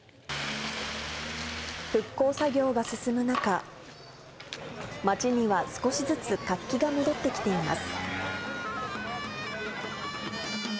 復興作業が進む中、町には少しずつ活気が戻ってきています。